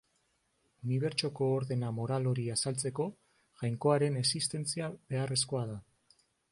Unibertsoko ordena moral hori azaltzeko, Jainkoaren existentzia beharrezkoa da.